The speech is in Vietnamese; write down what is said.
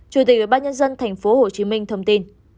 chủ tịch bác nhân dân tp hcm thông tin